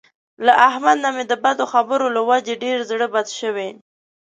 له احمد نه مې د بدو خبر له وجې ډېر زړه بد شوی.